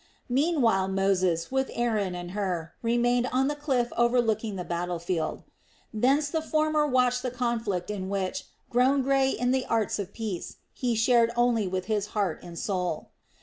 Meanwhile Moses, with Aaron and Hur, remained on the cliff overlooking the battle field. Thence the former watched the conflict in which, grown grey in the arts of peace, he shared only with his heart and soul.